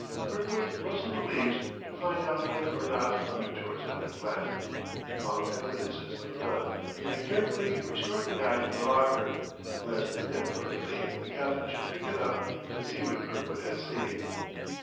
Kirkwood rustled the leaves to find out whether or not other tours had been planned, found evidences of none, and carefully restored the guide to the locker, lest inadvertently the captain should pick it up and see what Kirkwood had seen.